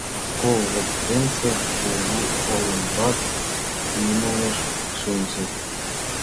Школ воктенсе кужу олымбак, ӱмылыш, шинчыт.